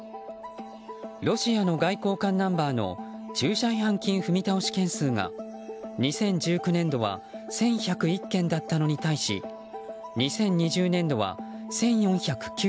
ロシアの外交官ナンバーの駐車違反金踏み倒し件数が２０１９年度は１１０１件だったのに対し２０２０年度は１４９６件。